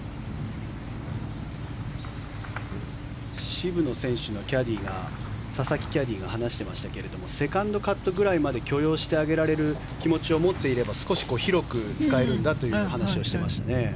渋野選手の佐々木キャディーが話していましたがセカンドカットぐらいまで許容してあげられる気持ちを持っていれば少し広く使えるんだという話をしていましたね。